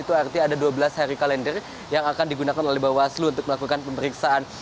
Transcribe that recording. itu artinya ada dua belas hari kalender yang akan digunakan oleh bawaslu untuk melakukan pemeriksaan